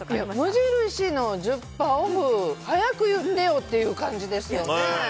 無印の１０パーオフ、早く言ってよっていう感じですよね。